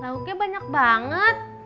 lalu kayak banyak banget